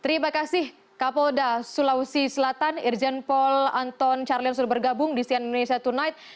terima kasih kapolda sulawesi selatan irjen paul anton carlim sudah bergabung di sian indonesia tonight